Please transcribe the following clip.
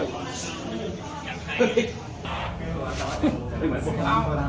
ขอบคุณครับ